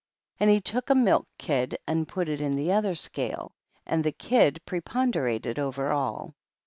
14. And he took a milk kid and put it into the other scale, and the kid preponderated over all.